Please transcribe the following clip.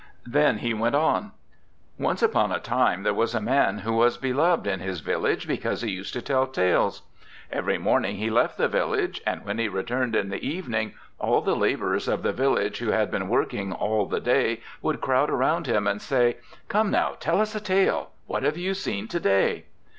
Then he went on: 'Once upon a time there was a man who was beloved in his village because he used to tell tales. Every morning he left the village, and when he returned in the evening all the labourers of the village who had been working all the day would crowd round him and say, "Come, now, tell us a tale. What have you seen to day?"